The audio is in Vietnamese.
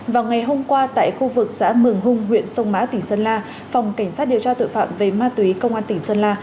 vào ngày hôm qua tại khu vực xã mường hung huyện sông mã tỉnh sơn la phòng cảnh sát điều tra tội phạm về ma túy công an tỉnh sơn la